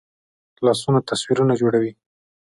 لاسونه تصویرونه جوړوي